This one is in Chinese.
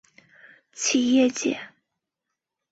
社企界